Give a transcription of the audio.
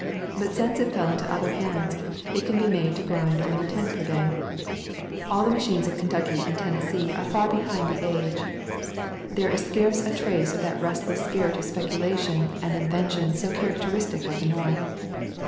But since it fell into other hands it can be made to grind only ten per day. All the machines of Kentucky and Tennessee are [ 36 ] The Cumberland Mountains far behind the age. There is scarce a trace of that restless spirit of speculation and inveh tion so characteristic of the North.